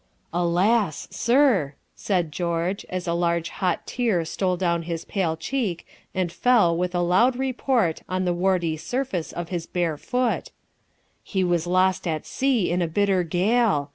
"Alas! sir," said George, as a large hot tear stole down his pale cheek and fell with a loud report on the warty surface of his bare foot, "he was lost at sea in a bitter gale.